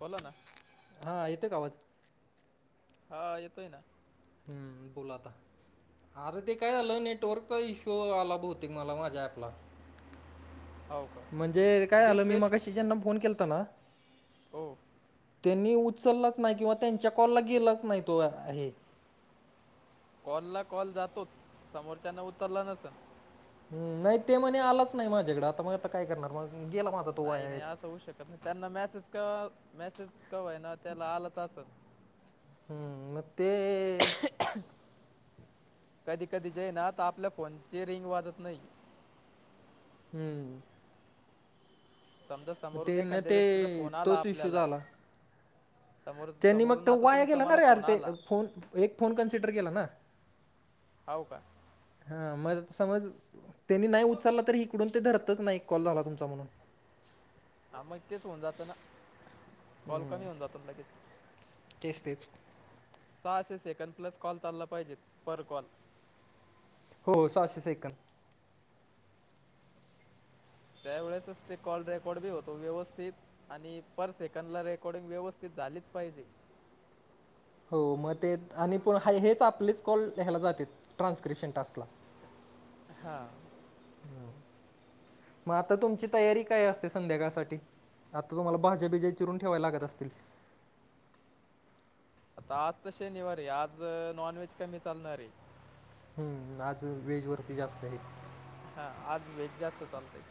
बोला ना. हा येतोय का आवाज? हा येतोय ना. हम्म बोला आता. अरे ते काय झालं नेटवर्कचा इश्यू आला बहुतेक मला माझ्या ॲपला. हो. का म्हणजे काय झालं मी रिफ्रेश मगाशी ज्यांना फोन केलताना हो त्यांनी उचललाच नाही किंवा त्यांच्या कॉलला गेलाच नाही तो ऍ हे. कॉल ला कॉल जातोच समोरच्यान उचलला नसल. हुं नाही ते म्हणे आलाच नाही माझ्याकड आता मग आता काय करणार मग गेला मा नाही नाही असं होऊ शकत नाही त्यांना मेसेज क मेसेज का होईना त्याना आलंच असेल. हम्म म ते कधी कधी जे ए ना आता आपल्या फोनची रिंग वाजत नाही. हम्म. समजा मग समोरून ते न एखांद्या व्यक्तीचा ते फोन आला तोच इश्यू आपल्याला झाला. समोर त्यांनी मग समोरून तो आता वाया तुमचा केेला ना मला रे अर फोन ते आला फोन एक फोन कन्सिडर केला ना. हाव का. हा मग समज त्यांनी नाही उचलला तरी इकडून ते धरतच ना एक कॉल झाला तुमचा म्हणून. हा मग तेच होऊन जातं ना. कॉल हम्म कमी होऊन जातो ना लगेच. तेच तेच सहाशे सेकंड प्लस कॉल चालला पाहिजे पर कॉल. हो सहाशे सेकंद. त्यावेेळेसच ते कॉल रेकॉर्ड बी होतो व्यवस्थित आणि पर सेकंद ला रेकॉर्डिंग व्यवस्थित झालीच पाहिजे. हो मग ते आणि प ह हेच आपलेच कॉल ह्याला जाते ट्रान्स्क्रिप्शन टास्कला. हां. हम. मग आता तुमची तयारी काय असते संध्याकाळ साठी आता तुम्हाला भाज्या बिज्या चिरून ठेवाय लागत असतील. आता आज तर शनिवारी आहे नॉनव्हेज कमी चालणार आहे. हम्म आज वेज वरती जास्त हे. हा आज वेज जास्त चालतय.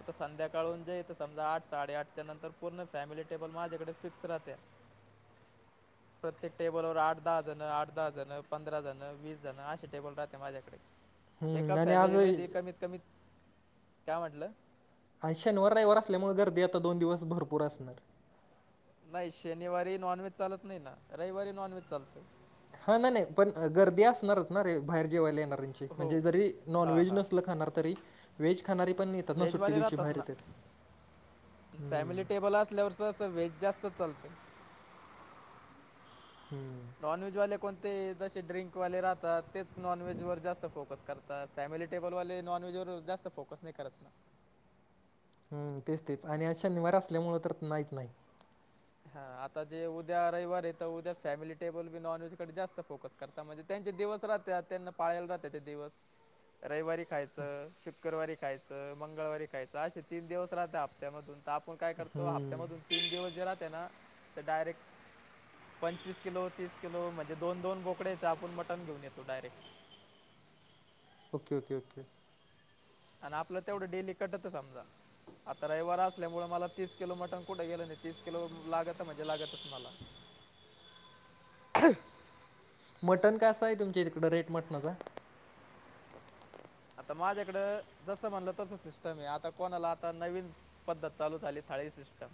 आता संध्याकाळून जे इथ समजा आठ साडेआठच्या नंतर पूर्ण फॅमिली टेबल माझ्याकडे फिक्स राहत्या. [inaudible] प्रत्येक टेबलवर आठ दहा जण आठ दहा जण पंधरा जण वीस जण असे टेबल राहते माझ्याकडे. [inaudible] एका आणि आज फॅमिलीमध्ये कमीत कमीत काय म्हटलं आणि शनिवार रविवार असल्यामुळ गर्दी आता दोन दिवस भरपूर असणार. नाही शनिवारी नॉनव्हेज चालत नाही ना रविवारी नॉनव्हेज चालतय. हा नाही नाही पण गर्दी असणारच ना रे बाहेर जेवायला येणार्यांची. हो म्हणजे जरी हां नॉनव्हेज हां नसल खणार तरी व्हेज खाणारी पण येतात ना सुट्टी व्हेजवाले दिवशी राहतच बाहेर ना येतात हम्म. आपल्याकडचं असं वेज जास्तच चालतं. हम्म. नॉनवेजवाले कोणते जसे ड्रिंकवाले राहतात तेच नॉनव्हेजवर जास्त फोकस करतात. फॅमिली टेबलवाले नॉन व्हेज वर जास्त फोकस नाही करत. हम्म तेच तेच आणि आज शनिवार असल्या मूळ तर नाहीच नाही. हा आता जे उद्या रविवार आहे त उद्या फॅमिली टेबल बि नॉन व्हेज कडे जास्त फोकस करता म्हणजे त्यांचे दिवस राहत्यात त्यांना पाळाला राहते ते दिवस. रविवारी खायचं शुक्रवारी खायचं मंगळवारी खायचं असे तीन दिवस राहता हप्त्यामधून तर आप आपण काय करतो हम्म हप्त्यामधून तीन दिवस जे राहते ना ते डायरेक्ट पंचवीस किलो तसिल म्हणजे दोन दोन बोकडेच आपण मटण घेन येतो डायरेक्ट ओके ओके ओके आणि आपलं तेवढं डेली कटत समजा आता रविवार असल्यामुळे मला तीस किलो मटण कुठे गेलं नाही तीस किलो लागत म्हणजे लागतच मला ह ह मटण कासं आहे तुमच्या इकडं रेट मटणाचा आता माझ्याकडं जसं म्हणलं तस सिस्टम आहे आता कोणाला आता नवीन पद्धत चालू झाली थाळी सिस्टम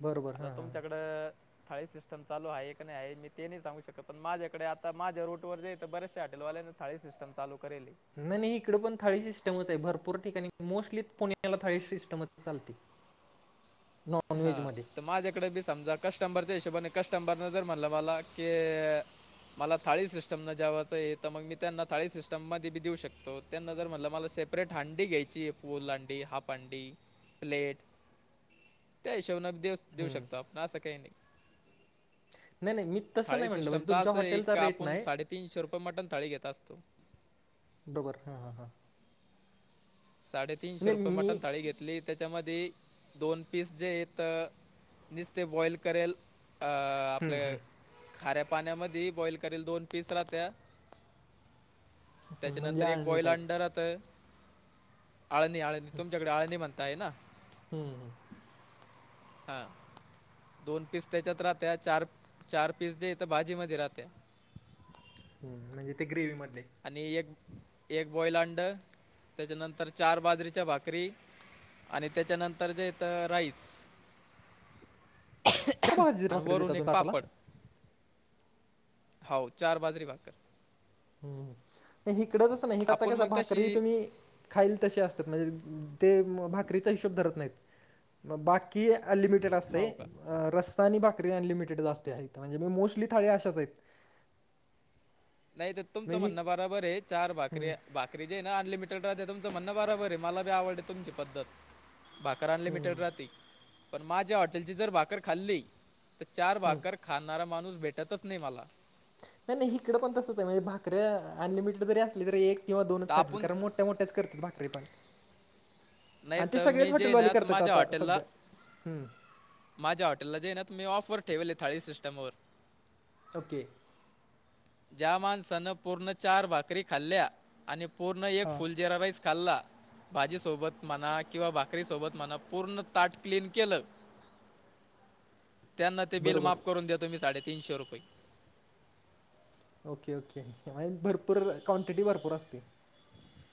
बरोबर आता हां हां तुमच्याकडं खाळी सिस्टम चाल आहेी नाही आहे मी ते नाही सांगू शकत पण माझ्याकडे आता माझ्या रूटवर जेेत तर बरेचशे हॉटलवाल्या थळी सिस्टम चाू करेली नाही नाही इकडे पण थाळी सिस्टमच आहे भरपूर ठिकाणी मोस्टली पुण्याला थाळी सिस्टमच चालते हा नॉनव्हेजमध्ये तर माझ्या ी समजा कस्टबरच्या हिशोबाने कस्टंबरने जर म्हणलं मला की मला थाळी सिस्टम न जेवाचं आहे तर मग मी त्यांना थाळी सिटम मध्ये बी देऊ शकतो त्यानंतर म्हटलं मला सेपरेट हंडी घ्यायची फुल हंडी हाफ हंडी प्लेट त्या हिशोबने देऊ देऊ हम्म शकतो आपण असं काही नाही नाही नाही मी तसं नाही थाळी म्हटलं म्हणजे सिस्टमचा तुमच्या अस हॉटेलचा एक रेट आपण नाही साडेतीनशे रुपये मटण थाळी घेत असतो डोबर हां हां हां साडेतीीनशे नाही रुपे मट मी तळी घेत त्याच्यामध्ये दोन पीस जे य नसते बॉईल करेल अ हम्म हम्म आपल्या खऱ्या पाण्यामध्ये बॉइल करेल दोन पीस राहत्या हम्म, म्हणजे त्याच्यानंतर एक आळणी बॉईल टाईप अंडर आता आळणी आळणी तुमच्याकडे आळणी म्हणताय ना हम् हम हा दोन पीस त्याच्यात राहते चार चार पीस जे इथ भाजी मध्ये राहते हम् म्हणजे ते ग्रेवी मधले आणि एक एक बॉइल अंड त्याच्यानंतर चार बाजरीच्या भाकरी आणि त्याच्यानंतर जे येत राईस च भाजर आणि भाकरी वरून दता एक तुम्ही आटाला पापड होा चार बाजरी भाग कर हम् हकडंचसं ना हिट आता आपण कस मग तशी भाकरी तुम्ही खाईल तसे असतात म्हणजे ते भाकरीचा हिशोब धरत नाहीत मग बाकी क अनलिमिटेडते हो का रस्ता आणि भाकरी अनलिमिटेड जास्त आहेत म्हणजे मी मोस्टली थाळी अशाच आहेत नाही तर तुमचं म्हणजे ही म्हणणं बराबर आहे चार भाकरी हम्म बाक के ना अनलिमिटड राह तुचं म्हणं बबर आहे मलाी आवडते तुमची पद्धत भाकर अनलिमिटेड हम्म राह पण माझ्या हॉटेलची जर भाकर खाल्ली तर चार हम्म भाकर खाणारा माणूस भेटतच नाही मला नाही नाही इकडे पण तसंच आहे म्हणजे भाकरे अनलिमिटेड जरी असले तरी एक किंवा तर दोनच खातात आपण कारण मोठ मोठ्याच करतात भाकरी पण नाही आणि ते तर सगळेच मी जे आहे हॉटेलवाले ना तर करतात माझ्या आता हॉटेलला सध्या हम्म माझ्या हॉटेलाे ना त मी ऑफर ठेवलले थळी सिस्टमवर ओके ज्या माणसानं पूर्ण चार भाकरी खाल्ल्या आणि पूर्ण एक हां फुल जिरा रईस कल्ला भाजीसोबत म्हणा किंवा भाकरी सोबत म्हणा पूर्ण ताट क्लीन केलं त्यांना ते बिल बरोबर माफ करून द्या तुम्ही साडेतीनशे रुपये ओके ओके भरपूर क्वांटीटी भरपूर अस ती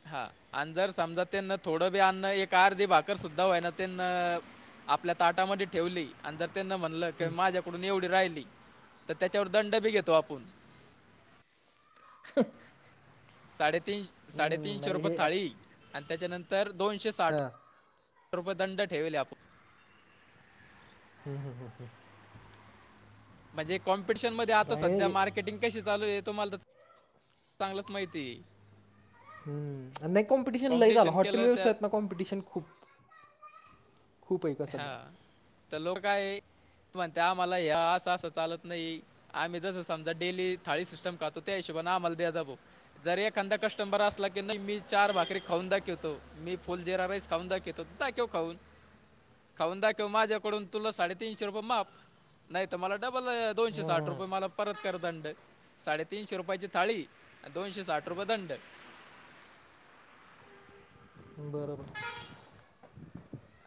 हा आणि जर समजा त्यांना थोडं बी अन्न एक अर्धी भाकर सुद्धा होय ना त्यांना आपल्या ताटामध्ये ठेवली आणि जर त्यांना म्हणलं क माझ्याकडून एवढी राहिली तर त्याच्यावर दंड बी घेतो आपण ह साडेतीन साडेतीीनशे रुपये थाळी आणि त्याच्यानंतर दोनशे साठ हां रुपये दंड ठेवेले आपण हम् हम हम हम म्हणजे कॉमपिटिशन मध्ये आता सध्या नाही म्केटिंग कशी चालू आहे तुम्हाला तर चांगलंच माहिती आहे हम् नाही कॉम्पिटिशन लय झालं हॉटेल केलं त्या व्यवसायत ना कॉम्पिटिशन खूप खूप आहे का हा सध्या तर लोकय म्हणते आम्हाला हे असं असं चालत नाही आम्ही जसं समजा डेली थाळी सिस्टम खातो त्या हिशोबने आम्हाला द्या जाबो जर एखादा कस्टंबर असला की नाही मी चार भाकरी खाऊन दाखवतो मी फुल जेरा राईस खान दाखवेतो दाखव खऊन खाऊन दाखव माझ्याकडून तुला साडेतीीनशे रुपये माफ नाही त मला डबल दोशे साठ रुपये हम्म मला परत कर दंड साडेतीीनशे रुपयाची थाळी दोनशे साठ रुपये दंड बरोबर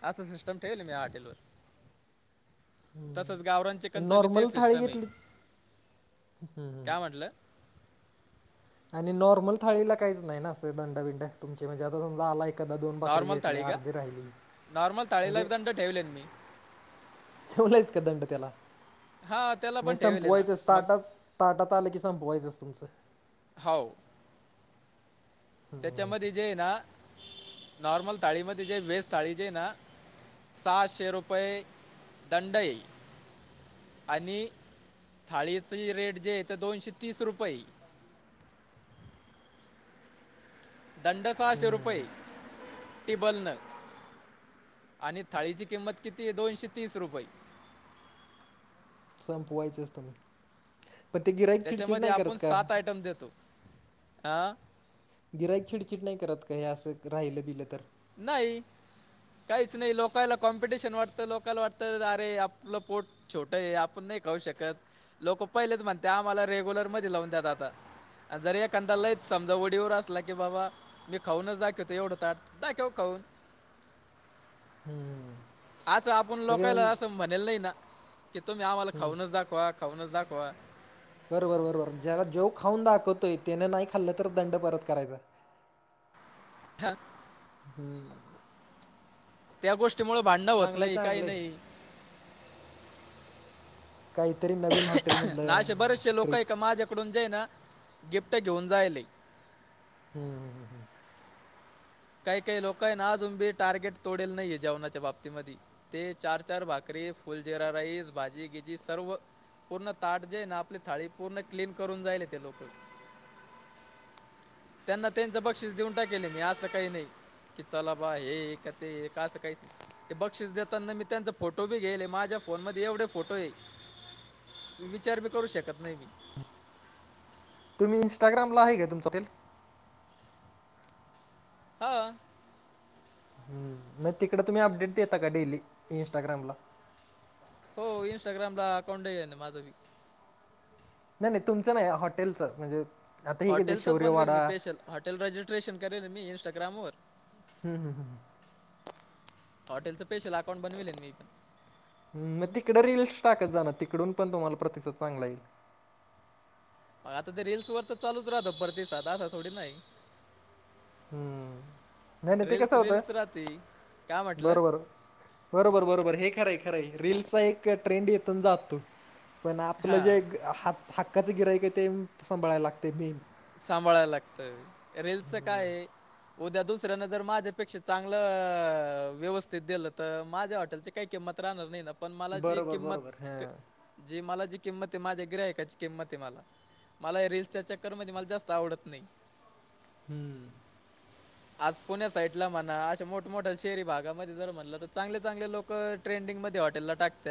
असं सिस्टम ठेवल मी हॉटेल वर तसच गावराां च हम्म कंच बी ते नॉर्मल थाळी सिस्टम आहे घेतली हम्म काय म्हटलं आणि नॉर्मल थाळीला काहीच नाही ना असं दंडबिंड तुमचे म्हणजे आता समजा आलाय कदा दोन बाकरी नॉर्मल थाळी घेतल्या का अर्धी राहिली नॉर्मल थाळीला म्हणजे दंड ठेवले मी ठेवलायच का दंड त्याला हां त्याला म पण ठेवले ना संपवायचच मग ताटात ताटात आलं की सांपवायचं तुमचं. होव. त्याच्यामध्ये जे ना नॉर्मल थाळीमध्ये जे वेस्ट थाळी जे ना सहाशे रुपये दंडय. आणि थाळीच रेट जे आहे ते दोनशे तीस रुपये. दंड साहशे हम्म रुपये. टिबल न आणि थाळीची किंमत कितीय दोनशे तीस रुपये. संपवायचंच तुम्ही. मण ते गिराईक चिडचिड त्याच्यामध्ये नाही आपण करत का? सात आयटम देतो हां गिराईक चिडचिड नाही करत का हे असं राहिलं बियलं तर. नाही. काहीच नाही लोकाला कॉम्पिटिशन वाटत लोकाला वाटतं अरे आपलं पोट छोटय आपण नाही खाहू शकत लोक पहिलेच म्हणते आम्हाला रेग्युलर मध्ये लवून द्या दादा. जर एखांदा लईच समजा वडीवर असला की बाबा मी खाऊनच दाखिवतो एवढं ताट. दाकेेव खाऊन. हम्म. असं आपण सगळे लोकायला म्हण असं म्हणेल नाही ना की तुम्ही आम्हाला हम्म खाऊनच दाखवा खाऊनच दाखवा. बरोबर बरोबर ज्याला जेव खाऊन दाखवतोय त्यान नाही खाल्लं तर दंड परत करायचा. [inaudible] [inaudible] ठ हम्म. त्या गोष्टी मुळ भांडणं होत चांगलंय नाही काही चांगलंय नाही. काहीतरी. नवीन ना अ हॉटेलमधलं असे बरेचसे लोक ट्रिक हय ना माझ्याकडून जेना गिफ्ट घेऊन जायलय. हम् हम हम. काही काही लोक आहे ना आजुन भी टार्गेट तोडेल नाहीये जेवणाच्या बाबतीमधी. ते चार चार भाकरी फुल जिरा राईस भाजी गिजी सर्व. पूर्ण ताट जे ना आपली थाळी पूर्ण क्लीन करून जाईल ते लोक. त्यांना त्यांच बक्षीस देऊन टाकले मी असं काही नाही. की चला बा हे का ते का असं काहीच न‌इ. ते बक्षीस देताना मी त्यांचे फोटो बी घेले माझ्या फोन मध्ये एवढे फोटोय. तू विचार बी करू शकत नाही मी. तुम्ही इन्स्टाग्रामला आहे का तुमच तेन? हो. हम्म मग तिकड तुम्ही अपडेट देता का डेली इन्स्टाग्रामला. हो इनस्टाग्रामला अकांटही आहे माझ बी. नाही नाही तुमचं नाही हॉटेलचं म्हणजे आता हे कस हॉटेलचंच बनवेल मी शौर्यवाडा. स्पेशल हॉटेल रजिस्ट्रेशन करेन मी इंस्टाग्रामवर. हम हम हम. हॉटेलंच स्पेशल अकाउंट बनवलेल मी पण. मग तिकड रील्स टाकत जाणं तिकडून पण तुम्हाला प्रतिसाद चांगला येईल. मग आता ते रील्सवर तर चालुच राहतं प्रतीसाद अस थोडी ना हाय. हम्म नाही नाही ते कस रील्स होत रील्स राहते काय म्हटलं बरोबर. बरोबर बरोबर हे खरंय खरंय रील्सचा एक ट्रेंड येतो आन जातो. पण आपलं हां जे ह हक्काचं गिराईक आहे ते साभाळायला लागतय मेन. सांभाळायला लागत रेलचं काये. उद्या दुसऱ्यान जर माझ्यापेक्षा चांगलं व्यवस्थित दिलं तर माझ्या हॉटेलचे काही किंमत राहणार नाही ना पण मला जी बरोबर बरोबर किंमत हां जी मला जी किंमत आहे माझ्या ग्राहकाची किंमत आहे मला मला या रीलल्च्या चक्करमध्ये जास्त आवडत नाही. हम आज पुण्या साईडला म्हणा अशा मोठमोठ्या शहरी भागामध्ये जर म्हणलं तर चांगले चांगले लोक. ल ट्रेंडिंगमध्ये हॉटेलला टाकत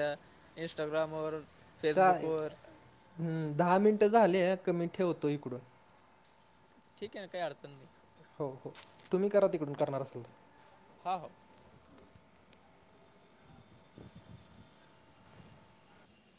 इंस्टाग्रामवर. फेसबुकवर हम् दहा मिनटं झाले क मी ठेवतो इकडून. ठीक आहे ना काही अडचण नाही. हो हो तुम्ही करा तिकडून करणार असाल तर. हा हो [unintelligible]